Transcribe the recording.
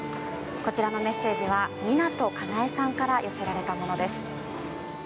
こちらのメッセージは湊かなえさんから寄せられたものです。